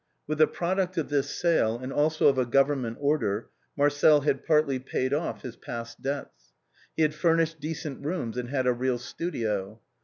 With the product of this sale, and also of a Government order, Marcel had partly paid off his past debts. He had fur nished decent rooms, and had a real studio.